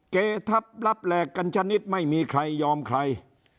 เกทับรับแหลกกันชนิดไม่มีใครยอมใคร